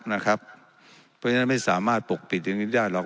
เพราะฉะนั้นไม่สามารถปกปิดอย่างนี้ได้หรอก